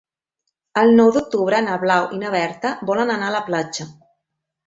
El nou d'octubre na Blau i na Berta volen anar a la platja.